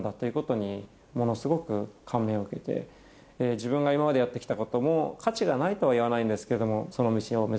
自分が今までやってきたことも価値がないとはいわないんですけれども。